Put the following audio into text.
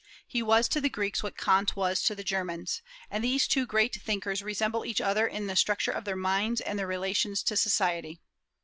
He was to the Greeks what Kant was to the Germans; and these two great thinkers resemble each other in the structure of their minds and their relations to society.